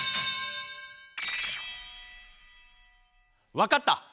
わかった！